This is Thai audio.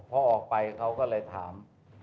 พอออกไปเขาก็เลยถาม